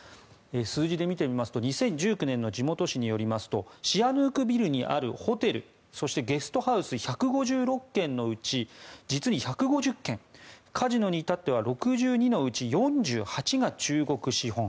数字で見てみますと２０１９年の地元紙によりますとシアヌークビルにあるホテルそしてゲストハウス１５６軒のうち実に１５０軒カジノに至っては６２のうち４８が中国資本。